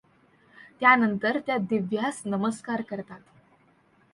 त्यानंतर त्या दिव्यास नमस्कार करतात.